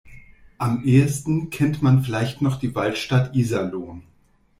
Am ehesten kennt man vielleicht noch die Waldstadt Iserlohn.